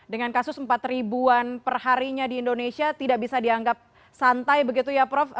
dengan kasus empat ribuan perharinya di indonesia tidak bisa dianggap santai begitu ya prof